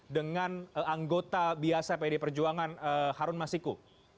dengan anggota biasa pd perjuangan harun masiku